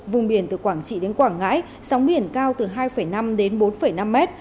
vùng biển từ quảng trị đến quảng ngãi sóng biển cao từ hai năm đến bốn năm mét